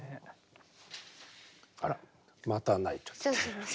あらまた泣いちゃった。